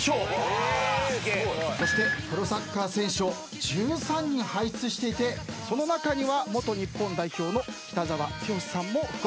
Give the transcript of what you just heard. そしてプロサッカー選手を１３人輩出していてその中には元日本代表の北澤豪さんも含まれていると。